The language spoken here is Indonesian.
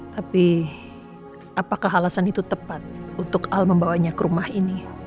tapi apakah alasan itu tepat untuk al membawanya ke rumah ini